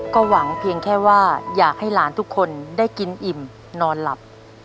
ก็หวังเพียงแค่ว่าอยากให้หลานทุกคนได้กินอิ่มนอนหลับ